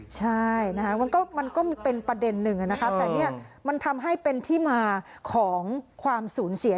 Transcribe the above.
ใช่นะคะมันก็เป็นประเด็นหนึ่งนะคะแต่เนี่ยมันทำให้เป็นที่มาของความสูญเสีย